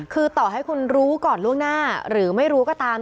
คือต่อให้คุณรู้ก่อนล่วงหน้าหรือไม่รู้ก็ตาม